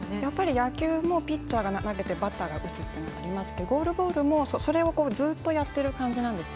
野球もピッチャーが投げてバッターが打つのがありますがゴールボールもそれをずっとやっている感じなんです。